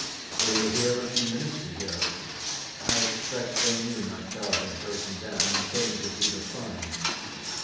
"They were here a few minutes ago. I expect they knew my car had broken down, and came to see the fun."